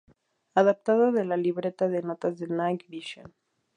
Adaptado de la libreta de notas de"Night Visions".